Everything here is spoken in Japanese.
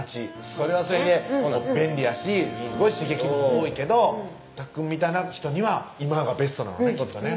それはそれで便利やしすごい刺激も多いけどたっくんみたいな人には今がベストなのねきっとね